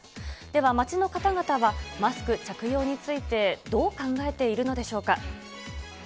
では街の方々は、マスク着用についてどう考えているのでしょうか。